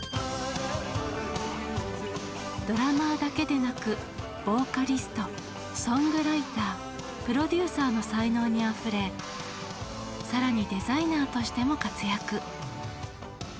ドラマーだけでなくボーカリストソングライタープロデューサーの才能にあふれ更にデザイナーとしても活躍。